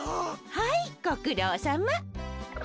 はいごくろうさま。